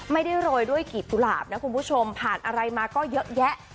ไม่ได้โรยด้วยกีบกุหลาบนะคุณผู้ชมผ่านอะไรมาก็เยอะแยะ